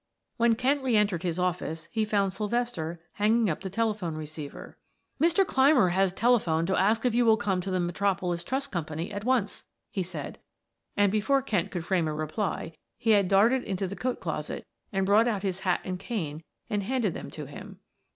When Kent reentered his office he found Sylvester hanging up the telephone receiver. "Mr. Clymer has telephoned to ask if you will come to the Metropolis Trust Company at once," he said, and before Kent could frame a reply he had darted into the coat closet and brought out his hat and cane, and handed them to him.